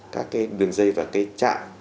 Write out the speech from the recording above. các đường dây và cây chạm